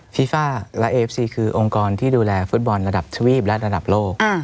ฟีฟ่าและเอฟซีคือองค์กรที่ดูแลฟุตบอลระดับทวีปและระดับโลก